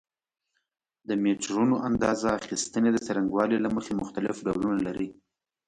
د میټرونو اندازه اخیستنې د څرنګوالي له مخې مختلف ډولونه لري.